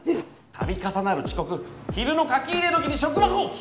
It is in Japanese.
度重なる遅刻昼の書き入れ時に職場放棄！